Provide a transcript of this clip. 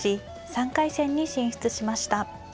３回戦に進出しました。